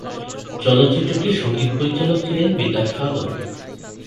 চলচ্চিত্রটির সঙ্গীত পরিচালক ছিলেন বিদ্যাসাগর।